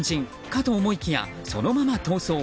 かと思いきや、そのまま逃走。